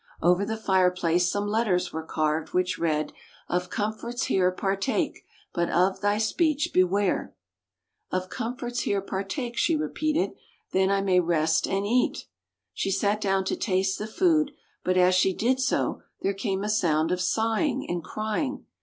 Over the fire place some letters were carved, which read, "Of comforts here, partake; but of thy speech beware! " "Of comforts here, partake," she re peated. " Then I may rest and eat." She sat down to taste the food, but as she did so, there came a sound of sighing and crying.